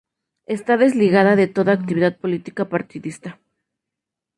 Está desligada de toda actividad política partidista.